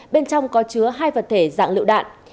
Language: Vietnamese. bên trong có chứa hai vật thể dạng liệu đạn